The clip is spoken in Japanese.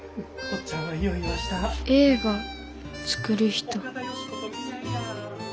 映画作る人。